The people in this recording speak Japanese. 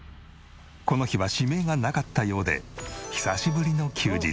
この日は指名がなかったようで久しぶりの休日。